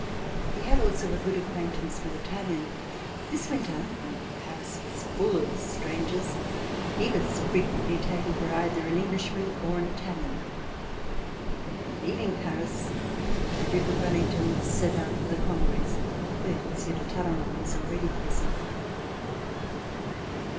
He had also a good acquaintance with Italian. This winter when Paris was full of strangers, he was C399] RECOLLECTIONS OF THE REVOLUTION frequently taken for either an Englishman or an Italian. On leaving Paris, the Duke of Wellington set out for the Congress where Monsieur de La Tour du Pin was already present.